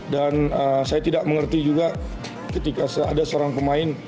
saya tidak mengerti juga ketika ada seorang pemain